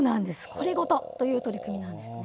これごとという取り組みなんですね。